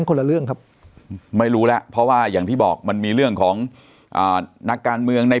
คนละเรื่องครับไม่รู้แล้วเพราะว่าอย่างที่บอกมันมีเรื่องของอ่านักการเมืองใน